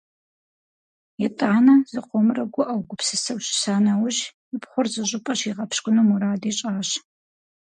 ИтӀанэ, зыкъомрэ гуӀэу, гупсысэу щыса нэужь, и пхъур зыщӀыпӀэ щигъэпщкӀуну мурад ищӀащ.